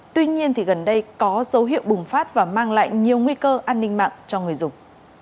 tuy nhiên gần đây có dấu hiệu bùng phát và mang lại nhiều nguy cơ an ninh mạng cho người dùng